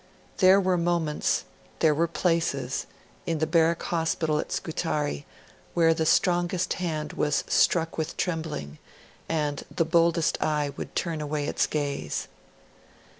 There were moments, there were places, in the Barrack Hospital at Scutari, where the strongest hand was struck with trembling, and the boldest eye would turn away its gaze.